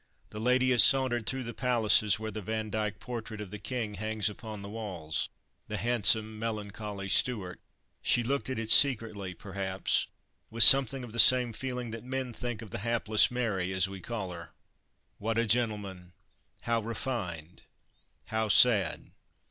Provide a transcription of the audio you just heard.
The lady has sauntered through the palaces where the Vandyck portrait of the king hangs upon the walls, the handsome, melancholy Stuart. She looked at it secretly, perhaps, with something of the same feeling that men think of the hapless Mary, as we call her. What a gentleman! how refined! how sad!